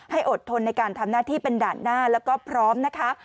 อดทนในการทำหน้าที่เป็นด่านหน้าแล้วก็พร้อมนะคะ